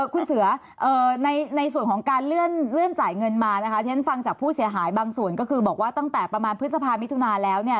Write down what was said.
คุณเสือในส่วนของการเลื่อนจ่ายเงินมานะคะที่ฉันฟังจากผู้เสียหายบางส่วนก็คือบอกว่าตั้งแต่ประมาณพฤษภามิถุนาแล้วเนี่ย